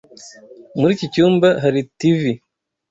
Muri iki cyumba hari TV.